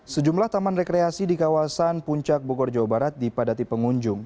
sejumlah taman rekreasi di kawasan puncak bogor jawa barat dipadati pengunjung